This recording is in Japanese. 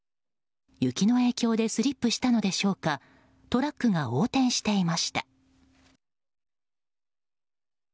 雪の影響でスリップしたのでしょうかトラックが横転していました。